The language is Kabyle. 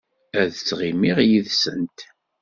Ad ttɣimiɣ yid-sent.